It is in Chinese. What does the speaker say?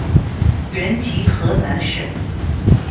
原籍河南省。